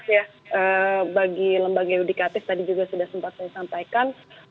noktah merah ya bagi lembaga yudikatis tadi juga sudah sempat saya sampaikan